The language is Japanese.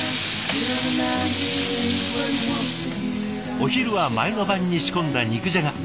お昼は前の晩に仕込んだ肉じゃが。